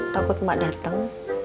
takut mak dateng